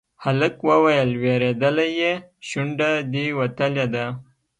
هلک وويل: وېرېدلی يې، شونډه دې وتلې ده.